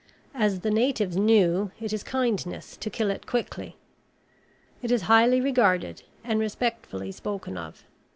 As the natives knew, it is kindness to kill it quickly. It is highly regarded and respectfully spoken of.